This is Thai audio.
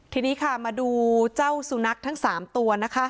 ทีนี้ค่ะมาดูเจ้าสุนัขทั้ง๓ตัวนะคะ